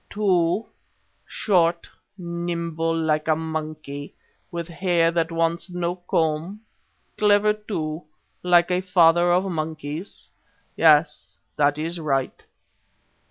Two. Short, nimble like a monkey, with hair that wants no comb; clever, too, like a father of monkeys. Yes, that is right.